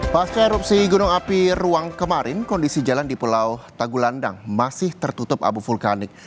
pas ke erupsi gunung api ruang kemarin kondisi jalan di pulau tagulandang masih tertutup abu vulkanik